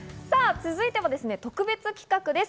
続いては特別企画です。